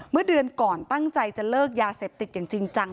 เมื่อเดือนก่อนตั้งใจจะเลิกยาเสพติดอย่างจริงจัง